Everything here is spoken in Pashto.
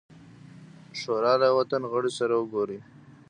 شورا له یوه تن غړي سره وګوري.